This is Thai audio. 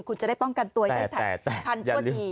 คุณจะได้ป้องกันตัวได้ทันทั่วที